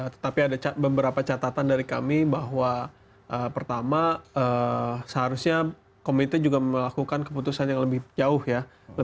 tetapi ada beberapa catatan dari kami bahwa pertama seharusnya komite juga melakukan keputusan yang lebih jauh ya